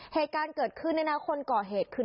เหตุการณ์เกิดขึ้นเนี่ยนะคนก่อเหตุคือ